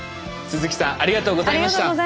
鈴木さんありがとうございました。